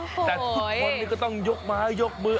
แต่ทุกคนก็ต้องยกไม้ยกมือ